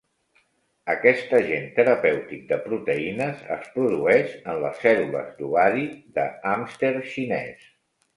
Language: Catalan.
Aquest agent terapèutic de proteïnes es produeix en les cèl·lules d'ovari de hàmster xinès.